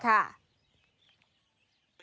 ค่ะ